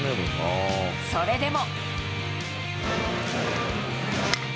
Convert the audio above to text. それでも。